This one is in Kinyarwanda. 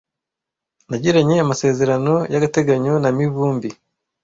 Nagiranye amasezerano y'agateganyo na Mivumbi .